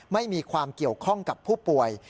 ไม่มีความเกี่ยวข้องกับผู้ป่วย